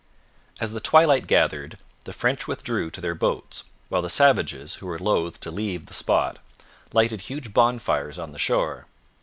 As the twilight gathered, the French withdrew to their boats, while the savages, who were loath to leave the spot, lighted huge bonfires on the shore.